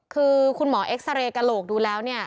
คือคุณหมอเอ็กซาเรย์กระโหลกดูแล้วเนี่ย